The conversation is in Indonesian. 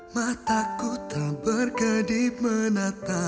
mataku terbergedip menata